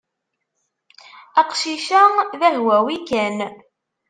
Aqcic-a d ahwawi kan.